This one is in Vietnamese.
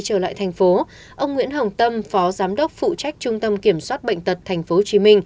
ông nguyễn hồng tâm phó giám đốc phụ trách trung tâm kiểm soát bệnh tật tp hcm